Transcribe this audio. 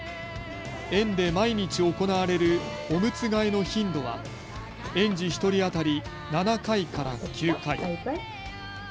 園で毎日行われるおむつ替えの頻度は園児１人当たり７回から９回。